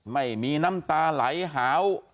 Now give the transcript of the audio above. ไม่มีน้ำตาไหลหาว